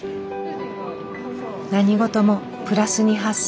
何事もプラスに発想。